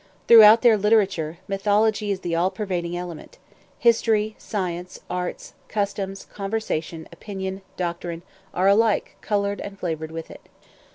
Throughout their literature, mythology is the all pervading element; history, science, arts, customs, conversation, opinion, doctrine, are alike colored and flavored with it.